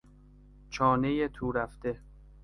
چانهی تورفته